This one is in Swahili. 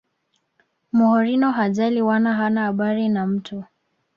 mourinho hajali wala hana habari na mtu